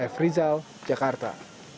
f rizal jakarta